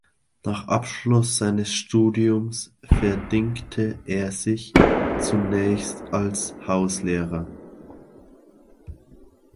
Nach Abschluss seines Studiums verdingte er sich zunächst als Hauslehrer.